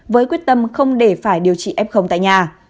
với quyết tâm không để phải điều trị f tại nhà